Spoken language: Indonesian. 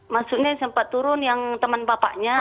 maksudnya sempat turun yang teman bapaknya